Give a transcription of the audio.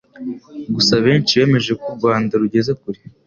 Gusa benshi bemeje ko u Rwanda rugeze kure